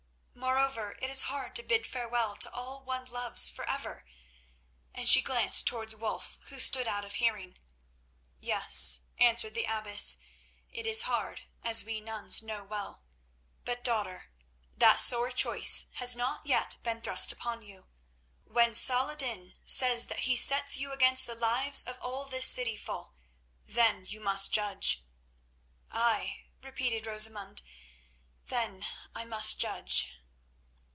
Moreover, it is hard to bid farewell to all one loves forever," and she glanced towards Wulf, who stood out of hearing. "Yes," answered the abbess, "it is hard, as we nuns know well. But, daughter, that sore choice has not yet been thrust upon you. When Saladin says that he sets you against the lives of all this cityful, then you must judge." "Ay," repeated Rosamund, "then I—must judge."